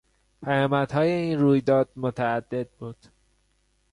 پیامدهای این رویداد متعدد بود.